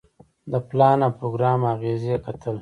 د پلان او پروګرام اغیزې کتل.